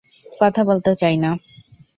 কথা বলতে চাই না।